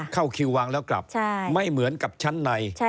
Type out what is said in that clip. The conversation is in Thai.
เข้าคิววางแล้วกลับไม่เหมือนกับชั้นใน